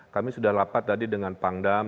kami sudah rapat tadi dengan pangdam